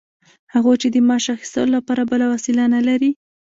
هغوی چې د معاش اخیستلو لپاره بله وسیله نلري